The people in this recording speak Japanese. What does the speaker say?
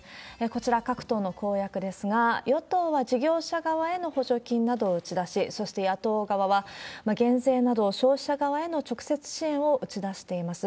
こちら、各党の公約ですが、与党は事業者側への補助金などを打ち出し、そして野党側は、減税など消費者側への直接支援を打ち出しています。